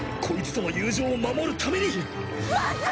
コイツとの友情を守るために！